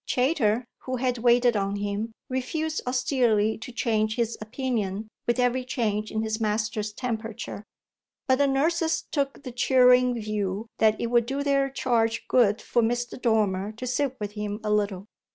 Chayter, who had waited on him, refused austerely to change his opinion with every change in his master's temperature; but the nurses took the cheering view that it would do their charge good for Mr. Dormer to sit with him a little.